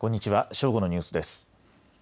正午のニュースです。